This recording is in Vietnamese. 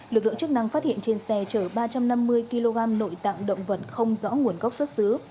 lực lượng chức năng phát hiện trên xe chở ba trăm năm mươi kg nội tạng động vật không rõ nguồn gốc xuất xứ